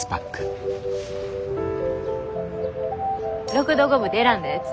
６度５分で選んだやつ。